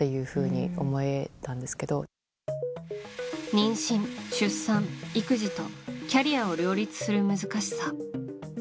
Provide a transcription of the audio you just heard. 妊娠、出産、育児とキャリアを両立する難しさ。